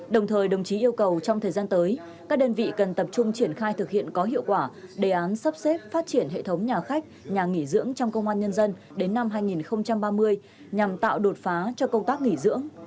đồng thời đồng chí yêu cầu trong thời gian tới các đơn vị cần tập trung triển khai thực hiện có hiệu quả đề án sắp xếp phát triển hệ thống nhà khách nhà nghỉ dưỡng trong công an nhân dân đến năm hai nghìn ba mươi nhằm tạo đột phá cho công tác nghỉ dưỡng